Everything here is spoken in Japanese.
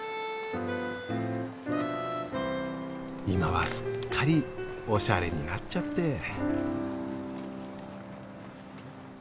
今はすっかりおしゃれになっちゃって。